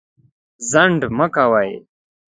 ځنډ مه کوئ.